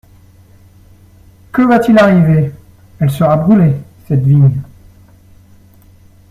Que va-t-il arriver ? «Elle sera brûlée, cette vigne.